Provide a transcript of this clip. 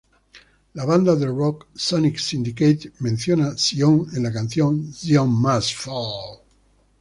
La banda de rock Sonic syndicate menciona Sion en la canción ""Zion must fall"".